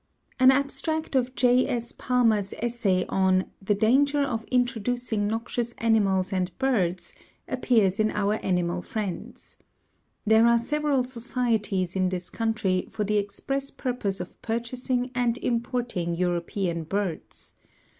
An abstract of J. S. Palmer's essay on "The Danger of Introducing Noxious Animals and Birds" appears in Our Animal Friends. There are several societies in this country for the express purpose of purchasing and importing European birds.